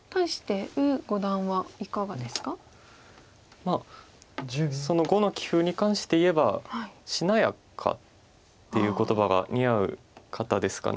まあ碁の棋風に関していえばしなやかっていう言葉が似合う方ですかね。